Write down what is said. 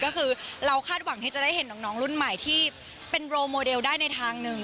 ก็คือเราคาดหวังที่จะได้เห็นน้องรุ่นใหม่ที่เป็นโรโมเดลได้ในทางหนึ่ง